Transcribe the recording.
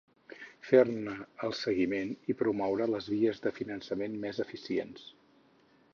Fer-ne el seguiment i promoure les vies de finançament més eficients.